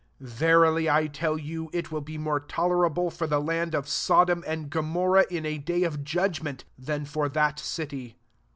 15 Verily I tell you, It will be more tolerable for the land of Sodom and Gomorrah in a day of judgment, than for that city.